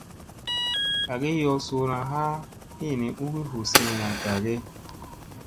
Agi yow suuna ha iini ugi hu senena gage ?